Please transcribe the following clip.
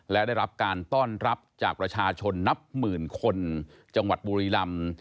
และได้รับการต้อนรับจากประชาชนนับหมื่นคนจังหวัดบุรีลำ